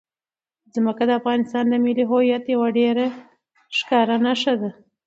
ځمکه د افغانستان د ملي هویت یوه ډېره ښکاره نښه ده.